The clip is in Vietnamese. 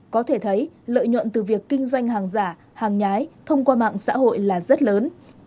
có thể thấy lợi nhuận từ việc kinh doanh hàng giả hàng nhái thông qua mạng xã hội là rất lớn